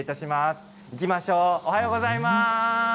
おはようございます！